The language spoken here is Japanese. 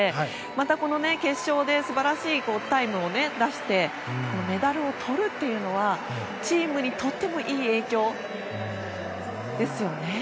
また、この決勝で素晴らしいタイムを出してメダルをとるというのはチームにとってもいい影響ですよね。